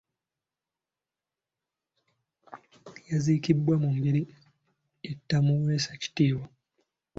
Yaziikibwa mu ngeri etaamuweesa kitiibwa.